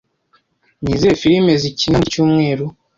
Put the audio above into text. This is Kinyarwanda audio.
Ni izihe firime zikina muri iki cyumweru?